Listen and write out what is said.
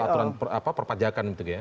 soal aturan perpajakan gitu ya